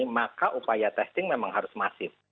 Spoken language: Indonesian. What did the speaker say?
maka upaya testing memang harus masif